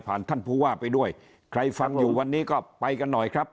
ท่านผู้ว่าไปด้วยใครฟังอยู่วันนี้ก็ไปกันหน่อยครับ